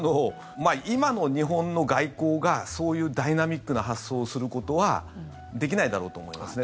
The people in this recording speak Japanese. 今の日本の外交がそういうダイナミックな発想をすることはできないだろうと思いますね。